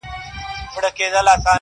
• خره چی دا خبری واورېدې حیران سو -